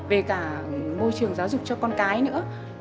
về cả môi trường giáo dục cho con cái nữa